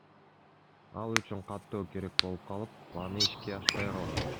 Ал үчүн каттоо керек болуп калып, планы ишке ашпай калган.